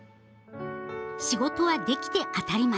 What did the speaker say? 仕事はできて当たり前。